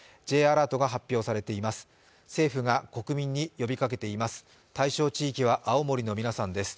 Ｊアラートが発表されています。